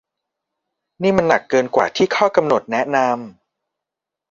นี่มันหนักเกินกว่าที่ข้อกำหนดแนะนำ